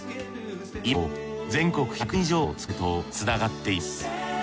今も全国１００人以上のつくり手とつながっています。